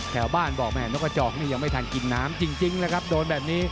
แถวบ้านบอกแม่นกกระจอกนี่ยังไม่ทันกินน้ำจริงแล้วครับโดนแบบนี้